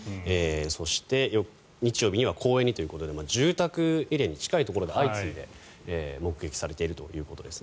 そして、日曜日には公園にということで住宅エリアに近いところで相次いで目撃されているということです。